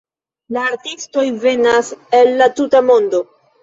La artistoj venas el la tuta mondo.